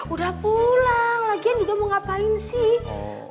udah pulang lagian juga mau ngapalin sih